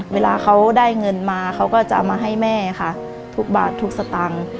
เวลาเขาได้เงินมาเขาก็จะเอามาให้แม่ค่ะทุกบาททุกสตางค์